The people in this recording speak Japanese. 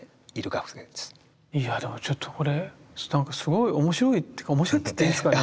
いやでもちょっとこれ何かすごい面白いというか面白いって言っていいんですかね？